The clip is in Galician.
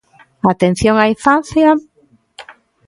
¿Á atención á infancia?